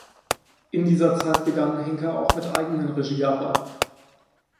In dieser Zeit begann Henker auch mit eigenen Regiearbeiten.